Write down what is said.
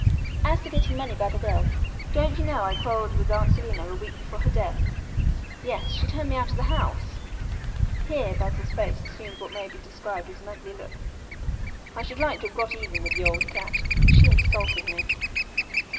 As to getting money by the will, don't you know I quarrelled with Aunt Selina a week before her death. Yes, she turned me out of the house." Here Basil's face assumed what may be described as an ugly look. "I should like to have got even with the old cat. She insulted me."